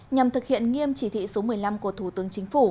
nhằm thực hiện nghiêm chỉ thị số một mươi năm của thủ tướng chính phủ